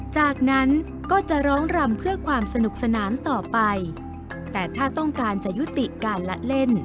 จากนั้นก็จะร้องรำเพื่อความสนุกสนานต่อไปแต่ถ้าต้องการจะยุติการละเล่น